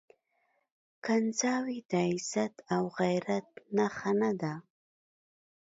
کنځاوي د عزت او غيرت نښه نه ده.